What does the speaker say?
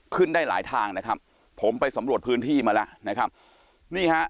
ได้หลายทางนะครับผมไปสำรวจพื้นที่มาแล้วนะครับนี่ฮะ